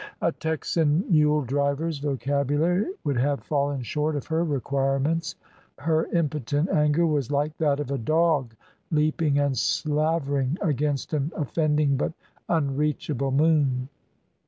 A Texan mule driver's vocabulary would have fallen short of her requirements. Her impotent anger was like that of a dog leaping and slavering against an offending but unreachable moon.